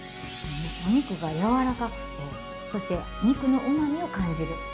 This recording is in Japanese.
お肉が柔らかくてそして肉のうまみを感じる。